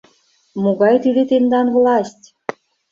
Могай тиде тендан власть?